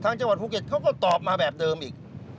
จังหวัดภูเก็ตเขาก็ตอบมาแบบเดิมอีก